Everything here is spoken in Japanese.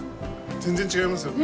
全然違いますよね？